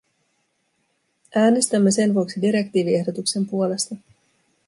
Äänestämme sen vuoksi direktiiviehdotuksen puolesta.